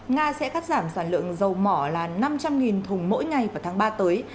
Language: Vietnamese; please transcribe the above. nga sẽ cắt giảm sản lượng dầu mỏ là năm trăm linh thùng mỗi ngày vào tháng ba tới